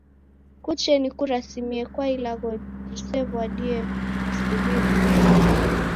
Kuche nikurasimie kwa ilagho jisew'adie masuw'irio ghangi?